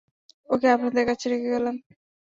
ওকে আপনাদের কাছে রেখে গেলাম।